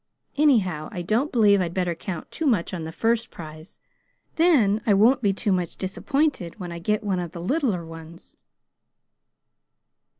Anyhow, I don't believe I'd better count too much on the first prize; then I won't be too much disappointed when I get one of the littler ones."